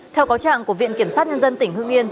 theo cáo trạng của viện kiểm sát nhân dân tỉnh hương yên